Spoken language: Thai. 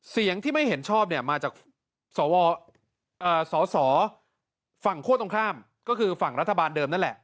เสียงที่ไม่เห็นชอบเนี่ยมาจากสสฝั่งคั่วตรงข้ามก็คือฝั่งรัฐบาลเดิมนั่นแหละ